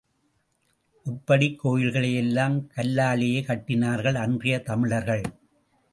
இப்படிக் கோயில்களை எல்லாம் கல்லாலேயே கட்டினார்கள், அன்றைய தமிழர்கள்.